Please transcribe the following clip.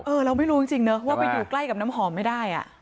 เราไม่รู้จริงเนอะว่าไปอยู่ใกล้กับน้ำหอมไม่ได้